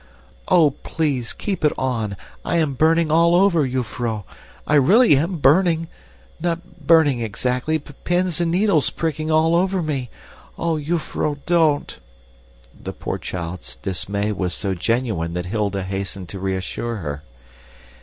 Oh! please keep it on, I am burning all over, jufvrouw! I really am burning. Not burning exactly, but pins and needles pricking all over me. Oh, jufvrouw, don't!" The poor child's dismay was so genuine that Hilda hastened to reassure her.